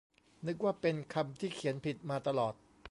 นึกว่าเป็นคำที่เขียนผิดมาตลอด